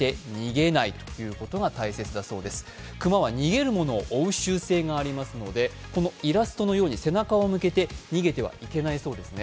熊は逃げるものを追う習性がありますのでイラストのように背中を見せて逃げてはいけないそうですね。